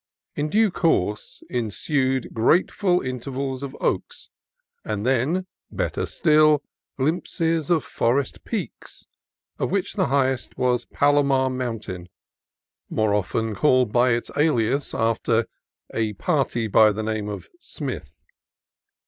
In due course ensued grateful intervals of oaks, and then, better still, glimpses of forested peaks, of which the highest was Palomar Mountain (more often called by its alias after "a party by the name of Smith").